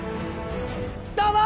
どうぞ！